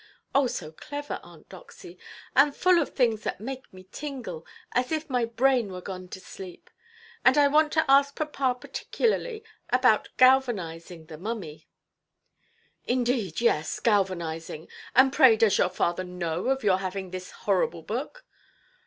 Oh, so clever, Aunt Doxy; and full of things that make me tingle, as if my brain were gone to sleep. And I want to ask papa particularly about galvanizing the mummy". "Indeed; yes, galvanizing! and pray does your father know of your having this horrible book"?